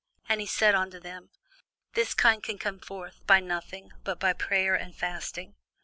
And he said unto them, This kind can come forth by nothing, but by prayer and fasting.